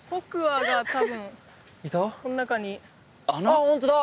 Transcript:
あっ本当だ！